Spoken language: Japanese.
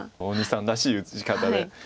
大西さんらしい打ち方で。